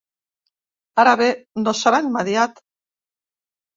Ara bé, no serà immediat.